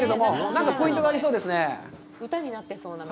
何かポイントがありそうですね。